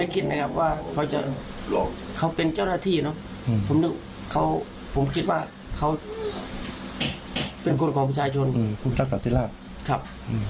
ครับ